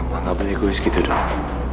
mama nggak boleh gue segitu dulu